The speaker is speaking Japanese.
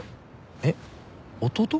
えっ弟？